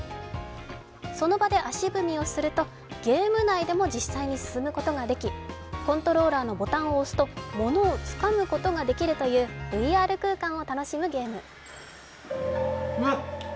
その場で足踏みをすると、ゲーム内でも実際に進むことができ、コントローラーのボタンを押すと物をつかむことができるというＶＲ空間を楽しむゲーム。